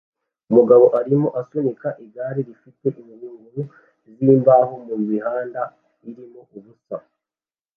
Umugabo arimo asunika igare rifite ingunguru zimbaho mumihanda irimo ubusa